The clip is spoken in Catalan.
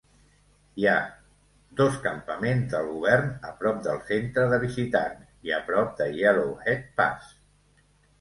Hi ha dos campaments del govern a prop del Centre de Visitants i a prop de Yellowhead Pass.